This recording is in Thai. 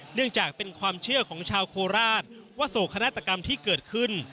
เนื่องจากเป็นความเชื่อของชาวโคราชว่าโศกนาฏกรรมที่เกิดขึ้น